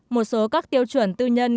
một số các tiêu chuẩn tư nhân